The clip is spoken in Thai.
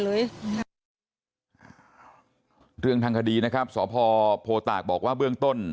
เรื่องทางคดีนะครับสพโพตากบอกว่าเบื้องต้น